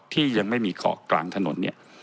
ที่ยังไม่มีเกาะกลางถนน